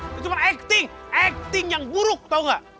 itu cuma acting acting yang buruk tau gak